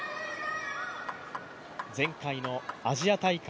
前回のアジア大会